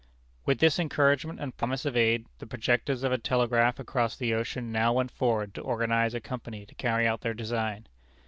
With this encouragement and promise of aid, the projectors of a telegraph across the ocean now went forward to organize a company to carry out their design.